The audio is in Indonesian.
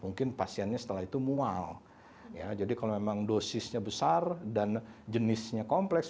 mungkin pasiennya setelah itu mual ya jadi kalau memang dosisnya besar dan jenisnya kompleks